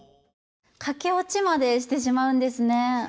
駆け落ちまでしてしまうんですね。